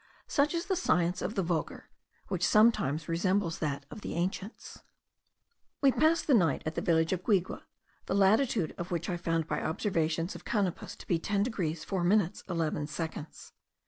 Such is the science of the vulgar, which sometimes resembles that of the ancients. We passed the night at the village of Guigue, the latitude of which I found by observations of Canopus to be 10 degrees 4 minutes 11 seconds.